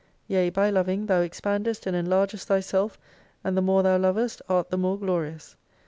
Yea by loving thou expandest and enlargest thyself, and the more thou lovest art the more glorious.